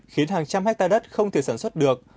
khiến hàng trăm hectare đất không thể sản xuất được